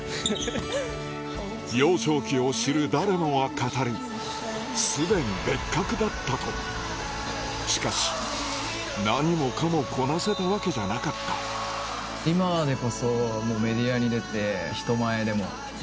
幼少期を知る誰もが語るすでに別格だったとしかし何もかもこなせたわけじゃなかった日直みたいなのあるじゃないですか。